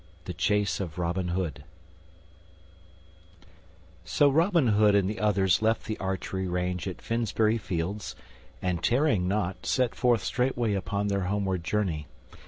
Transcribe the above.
The Chase of Robin Hood SO ROBIN HOOD and the others left the archery range at Finsbury Fields, and, tarrying not, set forth straightway upon their homeward journey.